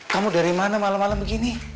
kamu dari mana malem malem begini